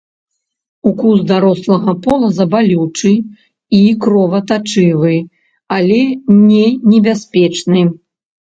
Укус дарослага полаза балючы і кроватачывы, але не небяспечны.